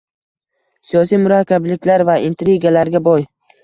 Siyosiy murakkabliklar va intrigalarga boy.